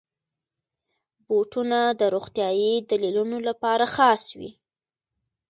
بوټونه د روغتیايي دلیلونو لپاره خاص وي.